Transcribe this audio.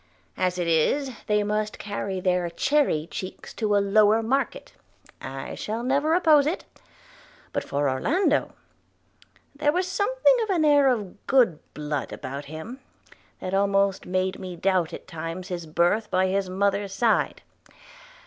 As it is, they must carry their cherry cheeks to a lower market – I shall never oppose it. But for Orlando, there was something of an air of good blood about him, that almost made me doubt at times his birth by his mother's side.